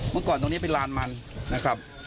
เมื่อก่อนตรงนี้เป็นลานมันนะครับ